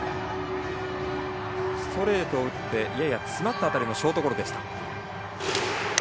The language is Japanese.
ストレートを打ってやや詰まった当たりのショートゴロでした。